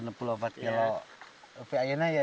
tapi sekarang ya berapa sekarang